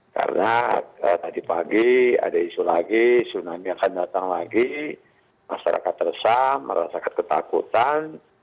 karena tadi pagi ada isu lagi tsunami akan datang lagi masyarakat resah merasa ketakutan